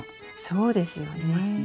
そうですよね。